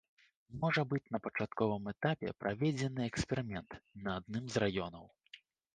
Можа быць на пачатковым этапе праведзены эксперымент на адным з раёнаў.